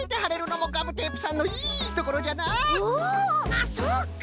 あっそうか！